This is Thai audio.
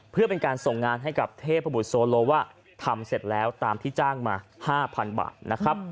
เพื่อเป็นการส่งงานให้กับเทพบุตรโซโลว่าทำเสร็จแล้วตามที่จ้างมา๕๐๐บาทนะครับ